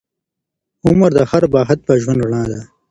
عمر د هر باهدفه ژوند رڼا ده.